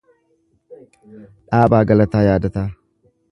Dhaabaa Galataa Yaadataa